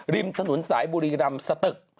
ริมถนนสายบุรีรัมน์สะตึก